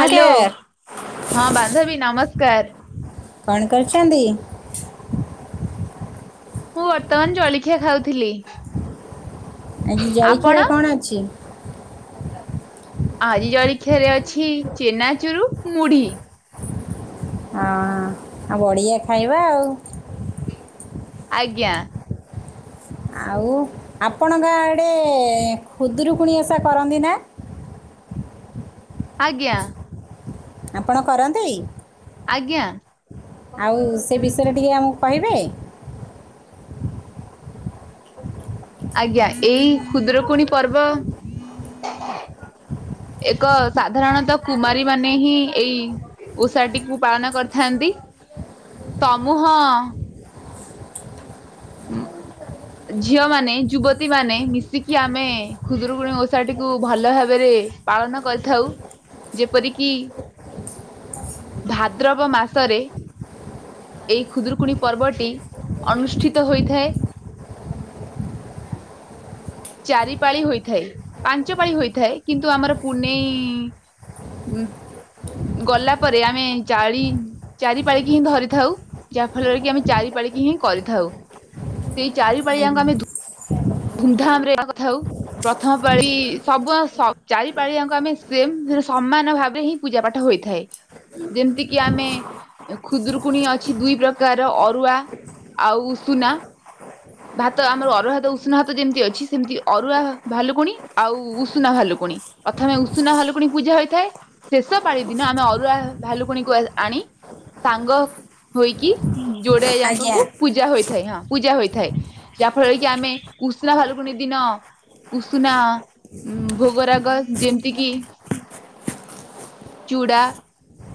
Hello ହଁ ବାନ୍ଧବୀ ନମସ୍କାର। କଣ କରୁଚନ୍ତି? ମୁଁ ବର୍ତ୍ତମାନ ଜଳଖିଆ ଖାଉଥିଲି। ଆଜି ଆପଣ? ଜଳଖିଆରେ କଣ ଅଛି? ଆଜି ଜଳଖିଆରେ ଅଛି ଚେନାଚୁରୁ ମୁଢି। ହଁ ଆଉ ବଢ଼ିଆ ଖାଇବା ଆଉ। ଆଜ୍ଞା। ଆଉ ଆପଣଙ୍କ ଆଡ଼େ ଖୁଦୁରୁକୁଣି ଓସା କରନ୍ତି ନା? ହଁ ଆଜ୍ଞା। ଆପଣ କରନ୍ତି? ଆଜ୍ଞା। ଆଉ ସେ ବିଷୟରେ ଟିକେ ଆମକୁ କହିବେ। ଆଜ୍ଞା ଏଇ କଖୁଦୁରୁକୁଣୀ ପର୍ବ ଏକ ସାଧାରଣତଃ କୁମାରୀ ମାନେ ହିଁ ଏଇ ଓଷାଟିକୁ ପାଳନ କରିଥାନ୍ତି ତମୁ ହଁ ଝିଅ ମାନେ ଯୁବତୀ ମାନେ ମିଶିକି ଆମେ ଖୁଦୁରୁକୁଣୀ ଓଷାଟିକୁୁ ଭଲ ଭାବରେ ପାଳନ କରିଥାଉ ଯେପରିକି ଭାଦ୍ରବ ମାସରେ ଏହି ଖୁଦୁରୁକୁଣି ପର୍ବଟି ଅନୁଷ୍ଟ ତ ହୋଇଥାଏ। ଚାରି ପାଳି ହୋଇଥାଏ ପାଞ୍ଚ ପାଳି ହୋଇଥାଏ କିନ୍ତୁ ଆମର ପୁନେଇଁ ଉଁ। ଗଲା ପରେ ଆମେ ଚାଳି ଚାରି ପାଳିକି ହିଁ ଧରିଥାଉ ଯାହା ଫଳରେ କି ଆମେ ଚାରି ପାଳି ପାଳିକି ହିଁ କରିଥାଉ ସେଇ ଚାରି ପାଳିଆଙ୍କ ଆମେ ଧୁ ଧୁମଧାମ ରେ କଥା ହଉ। ପ୍ରଥମ ପାଳି ସବୁ ଆଁ ଚାରି ପାଳିଆଙ୍କ ଆମେ ସେମ ସେ ସମାନ ଭାବରେ ହିଁ ପୂଜା ପାଠ ହୋ ହୋଇଥାଏ। ଯେମିତି କିି ଆମେ ଖୁଦୁରୁକୁଣୀ ଅଛି ଦୁଇ ପ୍ରକାର ଅରୁଆ ଆଉ ଉଷୁନା ଭାତ ଆମର ଅରୁଆ ଭାତ ଉଷୁନା ଭାତ ଯେମିତି ଅଛି ସେମିତି ଅରୁଆ ଭାଲୁକୁଣି ଆଉ ଉଷୁନା ଭାଲୁକୁଣି। ପ୍ରଥମେ ଉଷୁନା ହଲୁକୁଣି ପୂଜା ହୋଇଥାଏ। ଶେଷ ପାଳି ଦିନ ଆମେ ଅରୁଆ ଭାଲୁକୁଣିକୁ ଆଣି ସାଙ୍ଗ ହୋଇକି ଯୋଡେ ଯାଙ୍କ ଆଜ୍ଞା। କୁ ପୂଜା ହୋଇଥାଏ ହଁ ପୂଜା ହୋଇଥାଏ। ଯାହାଫଳରେ କି ଆମେ ଉସୁନା ଭାଲକୁୁନି ଦିନ ଉଷୁନା ଭୋଗରାଗ ଯେମିତି କିି ଚୁଡା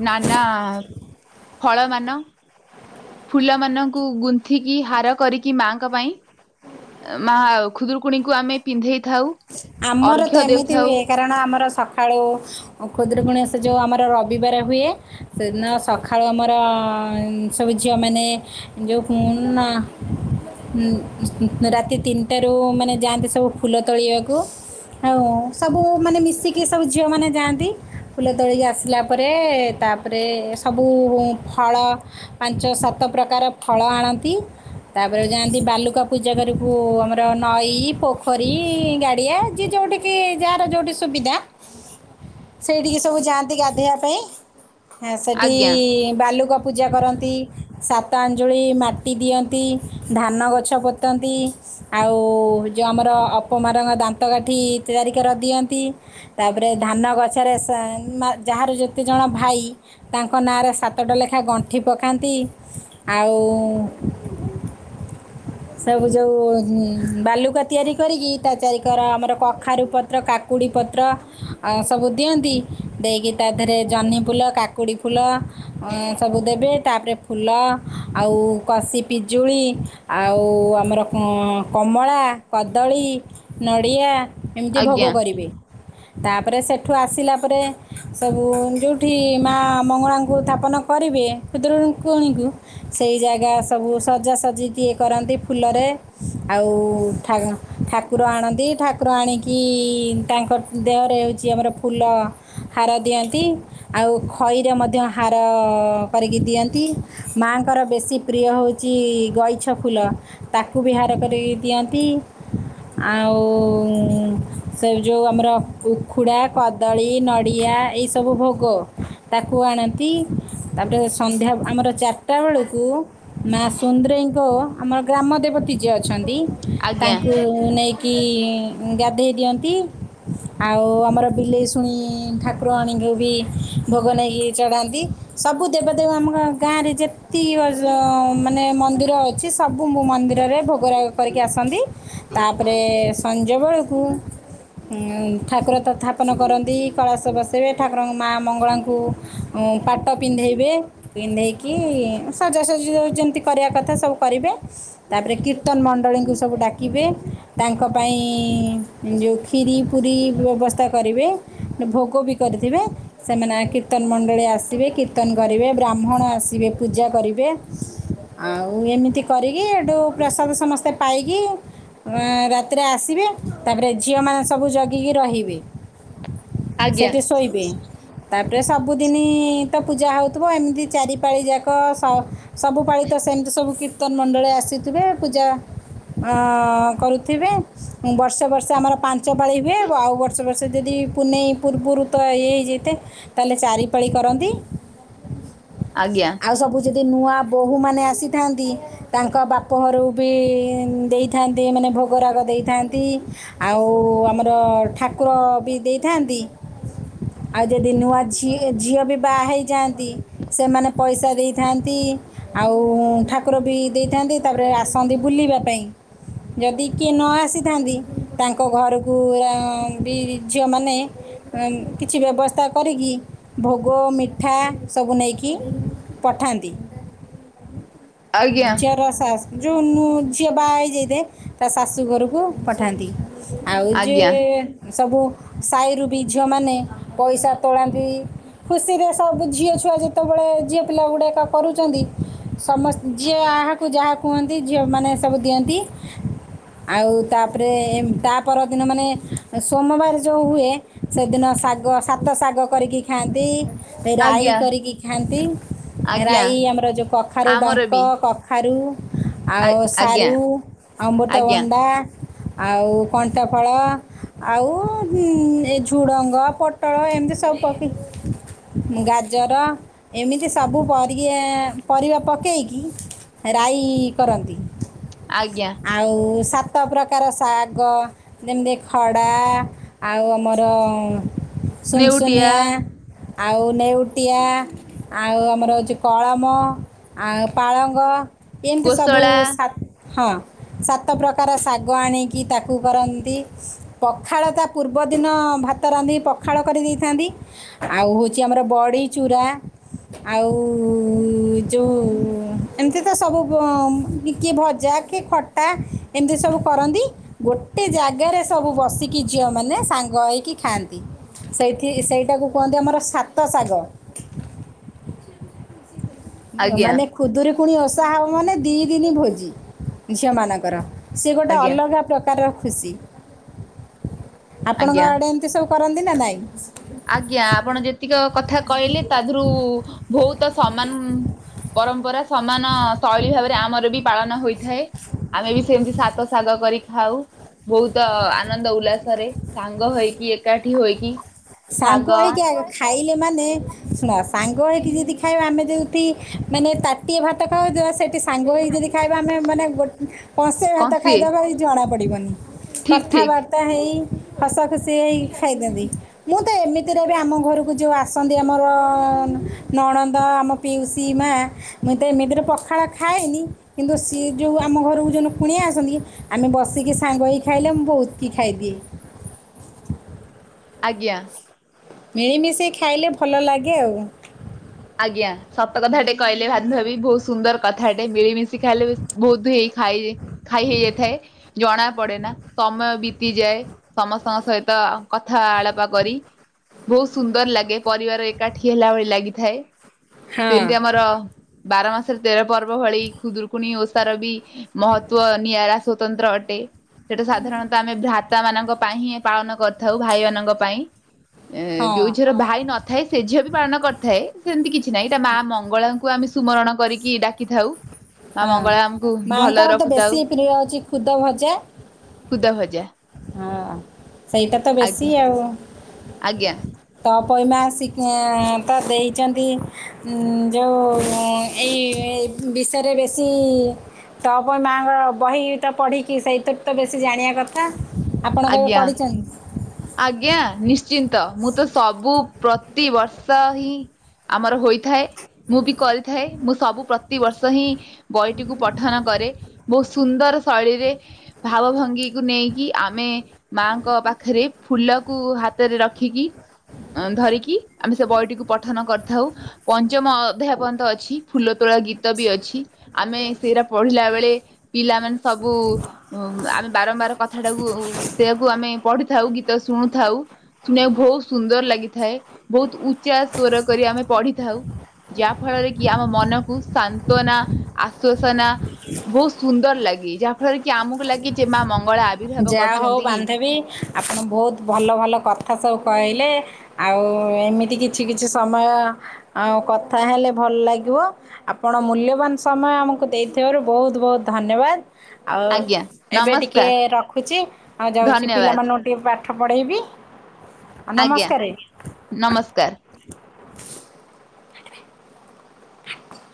ନାନା ଫଳ ମାନ ଫୁଲ ମଙ୍କୁ ଗୁନ୍ଥିକି ହାର କରିକି ମାଙ୍କ ପାଇଁ ମା ଖୁଦରୁକୁଣୀକୁ ଆମେ ପିନ୍ଧେଇ ଥାଉ ଆମର ତ ଅର୍ଘ୍ୟ ଏମିତି ଦେଉଥାଉ ହୁଏ, କାରଣ ଆମର ସକାଳୁ ଖୁଦୁରୁକୁଣୀ ସେ ଜଉ ଆମର ରବିବାର ହୁଏ, ସେଦିନ ସକାଳୁ ଆମର ସବୁ ଝିଅ ମାନ ଯେଉଁ [unintelligible] ରାତି ତିନିଟାରୁ ମାନେ ଯାଆନ୍ତି, ସବୁ ଫୁଲ ତୋଲିବାକୁ ହଉ ସବୁ ମାନେ ମିଶିକି ସବୁ ଝିଅମାନେ ଯାଆନ୍ତି ଫୁଲ ତୋଳିକି ଆସିଲା, ପରେ ତା ତାପରେ ସବୁ ଫଳ ପାଞ୍ଚ ସାତ ପ୍ରକାର ଫଳ ଆଣନ୍ତି ତାପରେ ଯାଆନ୍ତି ବାଲୁକା ପୂଜା କରିବାକୁ ଆମର ନଈ, ପୋଖରୀ ଯୋଉଠି କି ଯାହାର ଯୋଉଠି ସୁବିଧା ସେଇଠିକି ସବୁ ଯାଆନ୍ତି ଗାଧେଇବା ପାଇଁ ସେଠି ଆଜ୍ଞା ବାଲୁକା ପୂଜା କରନ୍ତି ସାତ ଆଞ୍ଜୁଳି ମାଟି ଦିଅନ୍ତି ଧାନ ଗଛ ପୋତନ୍ତି ଆଉ ଯଉ ଆମର ଅପମ ରଙ୍ଗ ଦାନ୍ତ [unintelligible] କାଠି ତିଆରି କରି ଦିଅନ୍ତି, ତାପରେ ଧାନ ଗଛରେ ଯାହାର ଯେତେ ଭାଇ ତାଙ୍କ ନାଁରେ ସାତଟା ଲେଖା ଗଣ୍ଠି ପକାନ୍ତି ଆଉ [inaudible] ସବୁ ଯୋଉ ବାଲୁକା ତିଆରି କରିକି, ତାଚାରି କର ଆମର କଖାରୁ ପତ୍ର କାକୁ କୁକୁଡ଼ି ପତ୍ର ସବୁ ଦିଅନ୍ତି, ଦେଇକି ତା ଦେହରେ ଜହ୍ନି ଫୁଲ, କାକୁଡ଼ି ଫୁଲ ସବୁ ଦେବେ ତାପରେ ଫୁଲ ଆଉ କଷି ପିଜୁଳି ଆଉ ଆମର କମଳା, କଦଳୀ, ନଡ଼ିଆ ଏମିତି ଭୋଗ ଆଜ୍ଞା କରିବି ତାପରେ ସେଠୁ ଆସିଲା ପରେ ସବୁ ଯେଉଁଠି ମା ମଙ୍ଗଳାଙ୍କୁ ସ୍ଥାପନ କରିବେ, ଖୁଦୁରୁକୁଣୀ କୁ ସେଇ ଜାଗା ସବୁ ସଜାସଜି ଇଏ କରନ୍ତି ଫୁଲରେ ଆଉ ଠାକୁର ଆଣନ୍ତି, ଠାକୁର ଆଣିକି କି ତାଙ୍କ ଦେହରେ ହେଉଛି ଆମର ଫୁଲ ହାର ଦିଅନ୍ତି, ଆଉ ଖଇରେ ମଧ୍ୟ ହାର କରିକି ଦିଅନ୍ତି ମା ଙ୍କର ବେଶୀ ପ୍ରିୟ ହେଉଛି, ଗ ଫୁଲ ତାକୁ ବି ହାର କରି ଦିଅନ୍ତି ଆଉ ଆମର, ଉଖୁଡା, କଦଳୀ, ନଡି ଏଇସବୁ ଭୋଗ ତାକୁ ଆଣନ୍ତି ତାପରେ ସନ୍ଧ୍ୟା ଆମର ଚାରିଟା ବେଳକୁ ମା ସୁନ୍ଦରୀ ଆମର ଗ୍ରାମ ଦେବତୀ ଯିଏ ଅଛନ୍ତି। ଆଜ୍ଞା ତାଙ୍କୁ ନେଇକି ଗାଧୋଇ ଦିଅନ୍ତି ଆଉ ଆମର ବିଲେଇଶୁଣି ଠାକୁରାଣୀ କି ବି ଭୋକ ନେଇକି ଚଢ଼ାନ୍ତି, ସବୁ ଦେବଦେବ ଆମ ଗାଁରେ ଯେତିକ ମାନେ ମନ୍ଦିର ଅ ଛି, ସବୁ ମନ୍ଦିରରେ ଭୋଗ ରାଗ କରିକି ଆସନ୍ତି, ତା ପରେ ସଞ୍ଜ ବେଳକୁ ଠାକୁର ସ୍ଥାପନ କରନ୍ତି, କଳାସ ବସବେ ଠାକୁରଙ୍କ ମା ମଙ୍ଗଳାଙ୍କୁ ପାଟ ପିନ୍ଧେଇବେ, ପିନ୍ଧେଇକି ସଜାସଜ ଯେମିତି କରିବା କଥା ସବୁ କରିବେ ତାପରେ କୀର୍ତ୍ତନ ମଣ୍ଡଳୀଙ୍କୁ ସବୁ ଡାକିବେ ତାଙ୍କ ପାଇଁ ଯେଉଁ କ୍ଷୀରି ପୁରୀ ବ୍ୟବସ୍ଥା କରିବେ, ଭୋଗ ବି କରିଥିବେ ସେମାନେ କୀର୍ତ୍ତନ ମଣ୍ଡ ମଣ୍ଡଳୀ ଆସିବେ, କୀର୍ତ୍ତନ କରିବେ ବ୍ରାହ୍ମଣ ଆସିବେ ପୂଜା କରିବେ ଆଉ ଏମି ତି କରିକି ଏଠୁ ପ୍ରସାଦ ସମସ୍ତେ ପାଇକି ରାତିରେ ଆସିବେ, ତାପରେ ଝିଅମାନେ ସବୁ ଜଗିକି ରହିବେ ସେଇଠି ଶୋଇବେ ତାପ ରେ, ସବୁଦିନ ତ ପୂଜା ହେଉଥିବ ଏମିତି ଚାରିପାଳିଯାକ ସବୁ ପାଳିତ ସେମିତି ସବୁ କୀର୍ତ୍ତନ ମଣ୍ଡଳୀ ଆସିଥିବେ ପୂଜା କରୁଥିବେ, ବର୍ଷେ ବର୍ଷେ ଆମର ପାଞ୍ଚ ପାଳି ହୁଏ, ଆଉ ବର୍ଷେ ବର୍ଷେ ଯଦି ପୁନେଇ ପୂର୍ବରୁ ତ ଇଏ ହେଇଯାଇଥାେ ତାହେଲେ ଚାରିପାଳି କରନ୍ତି। ଆଜ୍ଞା। ଯ ନୂଆ ବୋହୂମାନୋନ ଆସିଥାନ୍ତି ତାଙ୍କ ବାପ ଘର ବି ଦେଇଥାନ୍ତି ମାନେ ଭୋଗରାଗ ଦେଇଥାନ୍ତି ଆଉ ଆଉ ଆମର ଠାକୁର ବି ଦେଇଥାନ୍ତି। ଆଉ ଯଦି ନୂଆ ଝିଅ ଝିଅ ବି ବାହା ହେଇଯାଆନ୍ତି ସେମାନେ ପଇସା ଦେଇଥାନ୍ତି ଆଉ ଠାକୁର ବି ଦେଇଥାନ୍ତି ତାପରେ ଆସନ୍ତି ବୁଲିବା ପାଇଁ ଯଦି କିଏ ନ ଆସିଥାନ୍ତି ତାଙ୍କ ଘରକୁ ବି ଝିଅମାନେ କିଛି ବ୍ୟବସ୍ଥା କରିକି ଭୋଗ ମିଠା ସବୁ ନେଇକି ପଠାନ୍ତି। ଆଜ୍ଞା [unintelligible] ଯେଉଁ ଝିଅ ବାହା ହେଇଯାଇଥାଏ ତା ଶାଶୁ ଘରକୁ ପଠାନ୍ତି। ଆଉ ଯେ ଆଜ୍ଞା ସବୁ ସାହିରୁ ବି ଝିଅମାନେ ପଇସା ତୋଳାନ୍ତି ଖୁସିରେ ସବୁ ଝିଅ ଛୁଆ ଯେତେବେଳେ ଝିଅ ପିଲା ଗୁଡ଼ାଏକ କରୁଛନ୍ତି ସମସ୍ତେ ଝିଅ ଆହାକୁ ଯାହା କୁହନ୍ତି ଝିଅମାନୋନେ ସବୁ ଦିଅନ୍ତି ଆଉ ତାପରେ ତା ପରଦିନ ମାନେ ସୋମବାର ଯେଉଁ ହୁଏ ସେଦିନ ଶାଗ ସାତ ଶାଗ କରିକି ଖାଆନ୍ତି ରାଇ ଆଜ୍ଞା ଆଜ୍ଞା କରିକି ଖାଆନ୍ତି ଆଜ୍ଞା ରାଇ ଆମର ଯେଉଁ କଖାରୁ ଆମର ଡଙ୍କ ବି କଖାରୁ ଆ ଆଉ ଆଜ୍ଞା ସାରୁ ଆଜ୍ଞା ଅମୃତଭଣ୍ଡା ଆଉ କଣ୍ଟଫଳ ଆଉ ଏ ଝୁଡ଼ଙ୍ଗ ପୋଟଳ ଏମିତି ସବୁ ଗାଜର ଏମିତି ସବୁ ପର ପରିବା ପକେଇକି ରାଇ କରନ୍ତି ଆଜ୍ଞା ଆଉ ସାତ ସତ ପ୍ରକାର ଶାଗ ଯେମିତି ଖଡ଼ା ଆଉ ଆମର ନେଉଟିଆ ଶନସନଆ ଆଉ ନେଉଟିଆ ଆଉ ଆମର ହେଉଛି କଳମ ଆଉ ପାଳଙ୍ଗ ଏମିତି ସବୁ କୋଶଳା ସାତ ହଁ ସାତ ପ୍ରକାର ଶାଗ ଆଣିକି ତାକୁ କରନ୍ତି ପଖାଳ ତା ପୂର୍ବ ଏକ ଦିନ ଭାତ ରାନ୍ଧି ପଖାଳ କରିଦେଇଥାନ୍ତି ଆଉ ହେଉଛି ଆମର ବଡ଼ି ଚୁରା ଆଉ ଯୋଉ ଏମିତି ତ ସବୁ ପୁଅ କିଏ ଭଜା କିଏ ଖଟା ଏମିତି ସବୁ କରନ୍ତି ଗୋଟେ ଜାଗାରେ ସବୁ ବସିକି ଝିଅମାନେ ସାଙ୍ଗ ହେଇକି ଖାଆନ୍ତି। ସେଇଠୀ ସେଇଟାକୁ କୁହନ୍ତି ଆମର ସାତ ଶାଗ । ଆଜ୍ଞା ମାନେ ଖୁଦୁରୁ କୁଣି ଓଷା ହବ ମାନେ ଦି ଦିନି ଭୋଜି ଝିଅ ମାନଙ୍କର ସିଏ ଗୋଟେ ଆଜ୍ଞା ଅଲଗା ପ୍ରକାରର ଖୁସି । ଆପଣଙ୍କ ଆଜ୍ଞା ଆଡେ ଏମିତି ସବୁ କରନ୍ତି ନା ନାଇଁ? ଆଜ୍ଞା ଆପଣ ଯେତିକ କଥା କହିଲେ ତା ଦେହରୁ ବହୁତ ସମାନ୍ ପରମ୍ପରା ସମାନ ଶୈଳୀ ଭାବରେ ଆମର ବି ପାଳନ ହୋଇଥାଏ। ଆମେ ବି ସେମିତି ସାତ ଶାଗ କରିକି ଖାଉ। ବହୁତ ଆନନ୍ଦ ଉଲ୍ଲାସରେ ସାଙ୍ଗ ହୋଇକି ଏକାଠି ହୋଇକି ଶାଗ ସାଙ୍ଗ ହେଇକି ଆଗେ ଖାଇଲେ ମାନେ ଶୁଣ ସାଙ୍ଗ ହେଇକି ଯଦି ଖାଇବା ଆମେ ଯେଉଠି ମାନେ ତାଟିଏ ଭାତ ଖାଉ ଥିବା ସେଠି ସାଙ୍ଗ ହୋଇ ଯଦି ଖାଇବା ଆମେ ମାନେ ଗୋଟେ କଂସେ ଭାତ କଂସି ଖାଇ ଦବାବି ଜଣା ପଡିବନି । ଠିକ୍ ଠିକ୍ କଥାବାର୍ତ୍ତା ହେଇ ହସ ଖୁସି ହେଇ ଖାଇଥାନ୍ତି । ମୁଁ ତ ଏମିତିରେ ବି ଆମ ଘରକୁ ଯୋଉ ଆସନ୍ତି ଆମର ନଣନ୍ଦ ଆମ ପିଉସୀ ମା ହାଁ ମୁଁତ ଏମିତିରେ ପଖାଳ ଖାଏନି । କିନ୍ତୁ ସି ଯୋଉ ଆମ ଘରକୁ ଯୋଉ ନୁ କୁଣିଆ ଆସନ୍ତି ଆମେ ବସିକି ସାଙ୍ଗ ହୋଇ ଖାଇଲେ ମୁଁ ବହୁତ୍ ଖାଇ ଦିଏ । ଆଜ୍ଞା । ମିଳି ମିଶିକି ଖାଇଲେ ଭଲ ଲାଗେ ଆଉ । ଆଜ୍ଞା ସତ କଥା ଟେ କହିଲେ ଭାବି ଭାବି ବୋହୁତ ସୁନ୍ଦର କଥାଟେ ମିଳି ମିଶି ଖାଇଲେ ବେଶି ବୋହୁତ ହେଇ ଖାଇ ଖାଇ ହେଇଯାଇଥାଏ ଜଣା ପଡେ ନା ସମୟ ବିତିଯାଏ ସମସ୍ତଙ୍କ ସହିତ ତ କଥା ଆଳାପ କରି ବହୁତ୍ ସୁନ୍ଦର ଲାଗେ ପରିବାର ଏକାଠି ହେଲା ଭଳି ଲାଗିଥାଏ । ହଁ। ସେମିତି ଆମର ବାର ମାସରେ ତେର ପର୍ବ ଭଳି ଖୁଦୁରୁକୁଣୀ ଓଷାର ବି ମହତ୍ଵ ନିଆରା ସ୍ୱତନ୍ତ୍ର ଅଟେ । ସେଠୁ ସାଧାରଣ ତ ଆମେ ଭ୍ରା ତା ମାନଙ୍କ ପାଇଁ ହିଁ ପାଳନ କରିଥାଉ । ଭାଇ ମାନଙ୍କ ପାଇଁ । ଏ ହଁ ଯୋଉ ଝିଅର ଭାଇ ନଥାଏ ସେ ଝିଅ ବି ପାଳନ କରିଥାଏ। ସେମିତି କିଛି ନାଇଁ ତା ମା ମଙ୍ଗଳା ଙ୍କୁ ଆମେ ସୁମରଣ କରିକି ଡାକିଥାଉ । ହଁ ମାଆଙ୍କର ତ ବେଶୀ ପ୍ରିୟ ହଉଛି ଖୁଦ ଭଜା । ଖୁଦ ଭଜା ହଁ ସେଇଟା ତ ବେଶୀ ଆଜ୍ଞା ଆଉ ଆଜ୍ଞା ପ ପଇମାସିକ ତ ଦେଇଛନ୍ତି ଯୋଉ ଏଇ ବିଷୟରେ ବେଶୀ ତାପରେ ମାଆଙ୍କର ବହି ତ ପଢିକି ସେଇଥିରୁ ତ ବେଶୀ ଜାଣିବା କଥା । ଆପଣ କେବେ ଆଜ୍ଞା ପଢ଼ିଛନ୍ତି? ଆଜ୍ଞା ନିଶ୍ଚିନ୍ତ ମୁଁ ତ ସବୁ ପ୍ରତିିବର୍ଷ ହିଁ ଆମର ହୋଇଥାଏ । ମୁଁ ବି କରିଥାଏ ମୁଁ ସବୁ ପ୍ରତିିବର୍ଷ ହିଁ ବହିଟିକୁ ପଠନ କରେ । ବହୁ ସୁନ୍ଦର ଶୈଳୀରେ ଭାବ ଭଙ୍ଗୀକୁ ନେଇକି ଆମେ ମାଙ୍କ ପାଖରେ ଫୁଲକୁ ହାତରେ ରଖିକି ଅ ଧରିକି ଆମେ ସେ ବହିଟିକୁ ପଠନ କରିଥାଉ। ପଞ୍ଚମ ଅଧ୍ୟାୟ ପଯ୍ୟନ୍ତ ଅଛି । ଫୁଲ ତୋଳା ଗି ଗତ ବି ଅଛି । ଆମେ ସେଇରା ପଢିଲା ବେଳେ ପିଲାମାନେ ସବୁ ଆମେ ବାରମ୍ବାର କଥା ଟାକୁ ସେଇଆକୁ ଆମେ ପଢିଥାଉ ଗୀତ ଶୁଣୁଥାଉ ଶୁଣିବାକୁ ବହୁତ ସୁନ୍ଦର ଲାଗିଥାଏ । ବହୁତ୍ ଉଚ୍ଚା ସ୍ୱର କରି ଆମେ ପଢିଥାଉ । ଯାହା ଫଳରେ କି ଆମ ମନକୁ ସାନ୍ତ୍ଵନା, ଆସ୍ଵସନା ବହୁତ ସୁନ୍ଦର ଲାଗେ ଯାହା ଫଳରେ କି ଆମକୁ ଲାଗେ ଯେ ମା ମଙ୍ଗ ଯାହା ହଉ ବାନ୍ଧବି ଆପଣ ବହୁତ ଭଲ ଭଲ କଥା ସବୁ କହିଲେ । ଆଉ ଏମିତି କିଛି କିଛି ସମୟ ଆଉ କଥା ହେଲେ ଭଲ ଲାଗିବ ଆପଣ ମୂଲ୍ୟବାନ୍ ସମୟ ଆମକୁ ଦେଇଥିବାରୁ ବହୁତ-ବହୁତ ଧ ଧନ୍ୟବାଦ ଆଉ ଆଜ୍ଞା ଏବେ ଟିକେ ନମସ୍କାର ର ଖୁଛି ଆଉ ଯାଉଛି ଧନ୍ୟବାଦ ପିଲାମାନଙ୍କୁ ଟିକେ ପାଠ ପଢ଼େଇବି। ଆଉ ଆଜ୍ଞା ନମସ୍କାର ନମସ୍କାର। [inaudible]